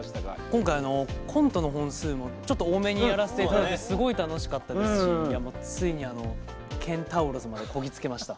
今回コントの本数もちょっと多めにやらせていただいてすごい楽しかったですしついにケンタウロスまでこぎ着けました。